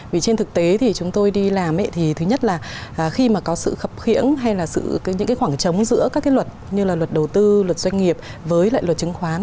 vì trên thực tế thì chúng tôi đi làm thì thứ nhất là khi mà có sự khập khiễng hay là những cái khoảng trống giữa các cái luật như là luật đầu tư luật doanh nghiệp với lại luật chứng khoán